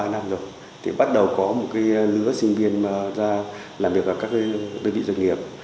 ba năm rồi bắt đầu có một lứa sinh viên ra làm việc ở các đơn vị doanh nghiệp